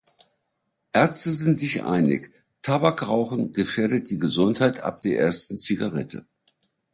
Ärzte sind sich einig: Tabakrauchen gefährdet die Gesundheit ab der ersten Zigarette.